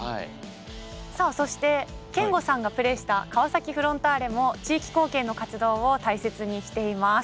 さあそして憲剛さんがプレーした川崎フロンターレも地域貢献の活動を大切にしています。